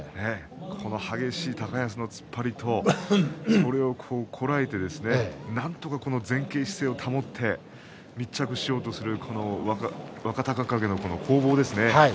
激しい高安の突っ張りとそれをこらえてなんとか前傾姿勢を保って密着しようとする若隆景の攻防ですね。